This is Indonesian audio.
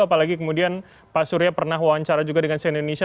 apalagi kemudian pak surya pernah wawancara juga dengan sian indonesia